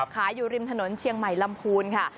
อยู่ริมถนนเชียงใหม่ลำพูนค่ะ